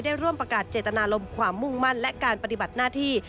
ร่วมประกาศเจตนารมณ์ความมุ่งมั่นและการปฏิบัติหน้าที่